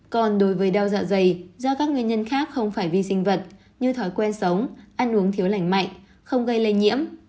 còn đối với đau dạ dày do các nguyên nhân khác không phải vi sinh vật như thói quen sống ăn uống thiếu lành mạnh không gây lây nhiễm